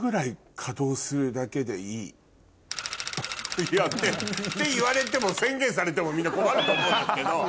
私ももうね何だろう。って言われても宣言されてもみんな困ると思うんですけど。